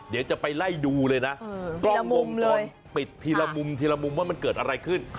เดี๋ยวจะไปไล่ดูเลยนะกล้องวงจรปิดทีละมุมทีละมุมว่ามันเกิดอะไรขึ้น